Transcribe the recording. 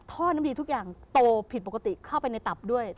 ท่อน้ำดีทุกอย่างโตผิดปกติเข้าไปในตับด้วย